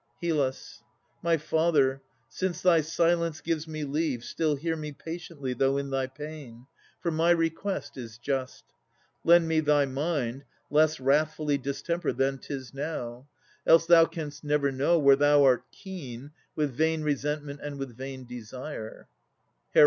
HYL. My father, since thy silence gives me leave, Still hear me patiently, though in thy pain! For my request is just. Lend me thy mind Less wrathfully distempered than 'tis now; Else thou canst never know, where thou art keen With vain resentment and with vain desire HER.